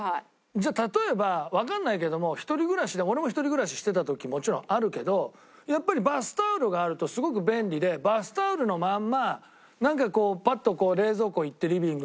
じゃあ例えばわかんないけども一人暮らしで俺も一人暮らししてた時もちろんあるけどやっぱりバスタオルがあるとすごく便利でバスタオルのまんまなんかこうバッと冷蔵庫行ってリビングの。